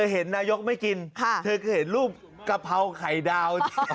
เวลาการกินทีก็นะฮะ